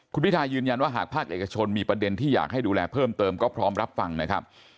คุณพิทายืนยันว่าหากภาคเอกชนมีประเด็นที่อยากให้ดูแลเพิ่มเติมก็พร้อมรับฟังนะครับ